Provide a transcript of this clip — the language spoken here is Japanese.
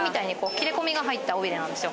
切れ込みが入った尾ビレなんですよ。